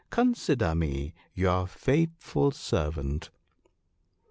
Consider me your faithful servant."